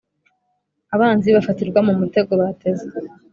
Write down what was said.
Abanzi bafatirwa mu mutego bateze